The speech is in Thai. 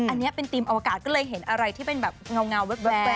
อันนี้เป็นธีมอวกาศก็เลยเห็นอะไรที่เป็นแบบเงาแว๊บ